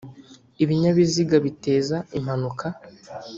ibinyabiziga biteza impanuka.